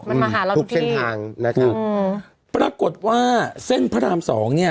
มันมาหาเราทุกเส้นทางนะครับอืมปรากฏว่าเส้นพระรามสองเนี้ย